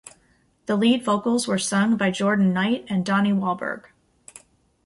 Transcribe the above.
The lead vocals were sung by Jordan Knight and Donnie Wahlberg.